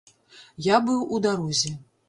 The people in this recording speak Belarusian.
Я быў у дарозе.